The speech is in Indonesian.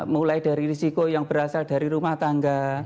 mulai dari risiko yang berasal dari rumah tangga